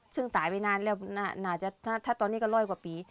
ซึ่งตายไปนานแล้วน่าจะถ้าตอนนี้ก็ร้อยกว่าปี